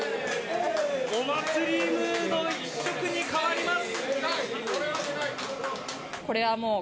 お祭りムード一色に変わります。